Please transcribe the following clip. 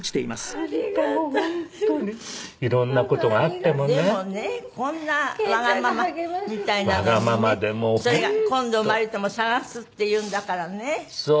それが「今度生まれても探す」っていうんだからね。